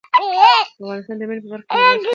افغانستان د منی په برخه کې نړیوال شهرت لري.